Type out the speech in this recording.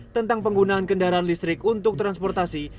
tentang penggunaan kendaraan listrik untuk transportasi